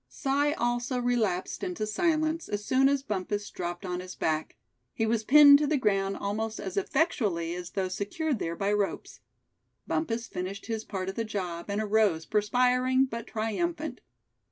Si also relapsed into silence as soon as Bumpus dropped on his back; he was pinned to the ground almost as effectually as though secured there by ropes. Bumpus finished his part of the job, and arose, perspiring, but triumphant.